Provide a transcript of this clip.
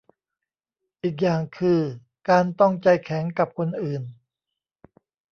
อีกอย่างคือการต้องใจแข็งกับคนอื่น